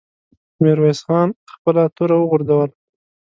ميرويس خان خپله توره وغورځوله.